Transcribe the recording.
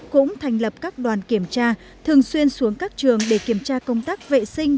cũng thành lập các đoàn kiểm tra thường xuyên xuống các trường để kiểm tra công tác vệ sinh